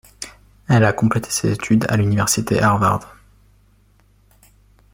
Elle a complété ses études à l'université Harvard.